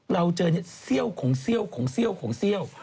เราเจอเสี้ยวของเสี้ยวของเสี้ยวของเสี้ยว